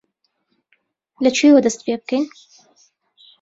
لەکوێوە دەست پێ بکەین؟